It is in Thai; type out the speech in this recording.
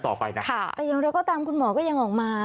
แต่ยังเราก็ตามคุณหมอก็ยังออกมา